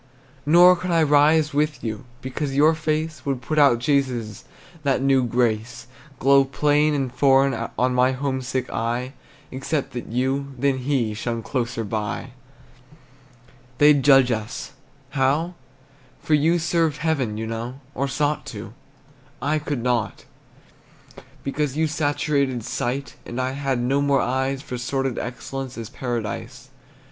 Nor could I rise with you, Because your face Would put out Jesus', That new grace Glow plain and foreign On my homesick eye, Except that you, than he Shone closer by. They'd judge us how? For you served Heaven, you know, Or sought to; I could not, Because you saturated sight, And I had no more eyes For sordid excellence As Paradise.